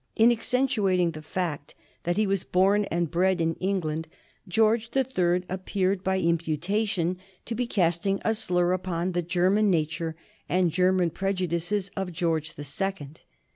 In accentuating the fact that he was born and bred in England, George the Third appeared by imputation to be casting a slur upon the German nature and German prejudices of George the Second.